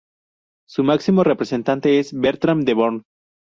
Su máximo representante es Bertran de Born.